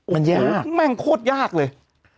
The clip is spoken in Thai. มันยากแม่งโคตรยากเลย